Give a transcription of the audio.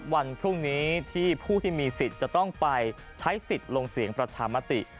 วันพรุ่งนี้ที่ผู้ที่มีสิทธิ์จะต้องไปใช้สิทธิ์ลงเสียงประชามติ